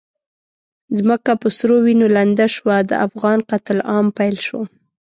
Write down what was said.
ځمکه په سرو وینو لنده شوه، د افغان قتل عام پیل شو.